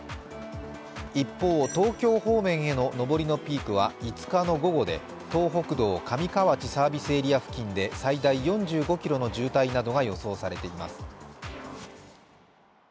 一方、東京方面への上りのピークは５日の午後で東北道、上河内サービスエリア付近で最大４５ｋｍの渋滞などが予想されています。